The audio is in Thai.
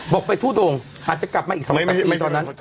บอกไปทุโด่งอาจจะกลับมาอีก๒ปีไหมตอนนั้น